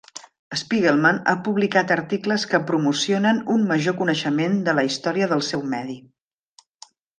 Spiegelman ha publicat articles que promocionen un major coneixement de la història del seu medi.